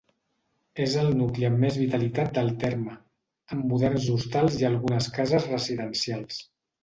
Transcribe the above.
És el nucli amb més vitalitat del terme, amb moderns hostals i algunes cases residencials.